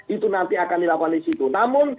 itu nanti akan dilakukan disitu namun